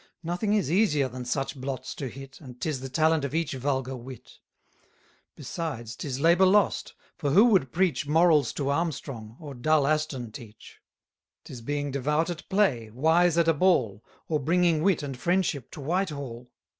Nothing is easier than such blots to hit, And 'tis the talent of each vulgar wit: Besides, 'tis labour lost; for who would preach Morals to Armstrong, or dull Aston teach? 30 'Tis being devout at play, wise at a ball, Or bringing wit and friendship to Whitehall.